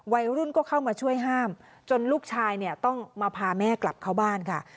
วัยรุ่นก็เข้ามาช่วยห้ามจนลูกชายเนี่ยต้องมาพาแม่กลับเข้าบ้านค่ะ